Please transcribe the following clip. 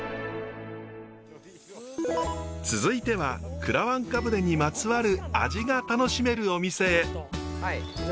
続いてはくらわんか舟にまつわる味が楽しめるお店へ。